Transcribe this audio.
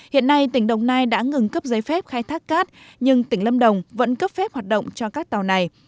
hiện nay tỉnh đồng nai đã ngừng cấp giấy phép khai thác cát nhưng tỉnh lâm đồng vẫn cấp phép hoạt động cho các tàu này